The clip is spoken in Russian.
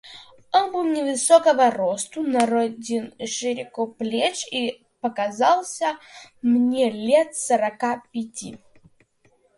Он был невысокого росту, дороден и широкоплеч, и показался мне лет сорока пяти.